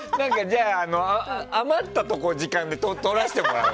じゃあ、余った時間で撮らせてもらう。